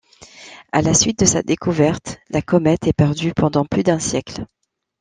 À la suite de sa découverte, la comète est perdue pendant plus d'un siècle.